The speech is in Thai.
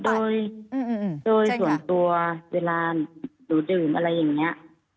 โดยโดยส่วนตัวเวลาหนูดื่มอะไรอย่างนี้